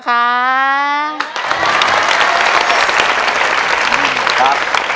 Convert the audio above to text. ขอบคุณพี่เอานิท่า